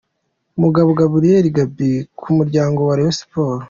Mugabo Gabriel”Gaby” ku muryango wa Rayon Sport.